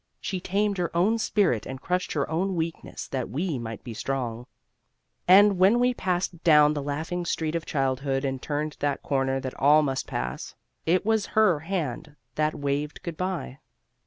She tamed her own spirit and crushed her own weakness that we might be strong. And when we passed down the laughing street of childhood and turned that corner that all must pass, it was her hand that waved good bye.